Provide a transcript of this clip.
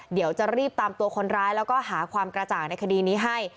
เดี๋ยวจะรีบตามตัวคนร้ายแล้วก็หาความกระจ่างในคดีนี้ให้